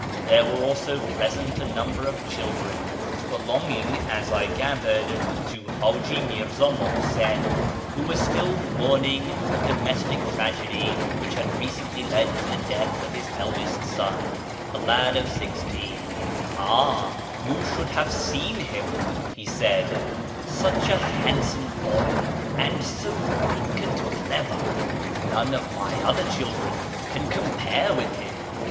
There were also present a ii 456 A YEAR AMONGST THE PERSIANS number of children, belongintjj, as I ^fathered, to ]I;tji Mirz;i Muhsin, who was still niournini,' a domestic tragedy which luid recently led to the death of his eldest son, a lad of sixteen. " Ah, you should have seen him," he said, " such a handsome boy, and so quick and clever. None of my other children can compare with him."